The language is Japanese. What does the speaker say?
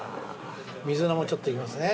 水菜もちょっと入れますね。